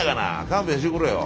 勘弁してくれよ。